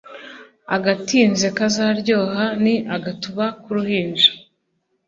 agatinze kazaryoha ni agatuba k'uruhinja